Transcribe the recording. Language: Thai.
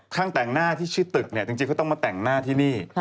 แต่งหน้าที่ชื่อตึกเนี่ยจริงเขาต้องมาแต่งหน้าที่นี่